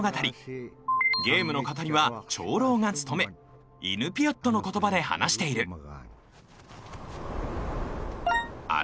ゲームの語りは長老が務めイヌピアットの言葉で話しているどう？